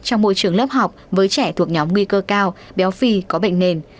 trong môi trường lớp học với trẻ thuộc nhóm nguy cơ cao béo phì có bệnh nền